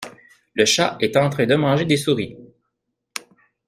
Le chat est en train de manger des souris.